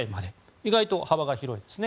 意外と幅が広いんですね。